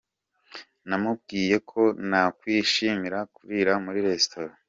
Namubwiye ko nakwishimira kurira muri restaurant.